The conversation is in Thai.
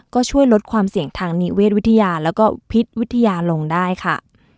ก็ช่วยลดความเสี่ยงทางนิเวศวิทยาแล้วก็พิษวิทยาลงได้ค่ะ